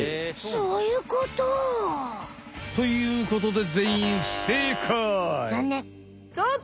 そういうこと。ということでざんねん。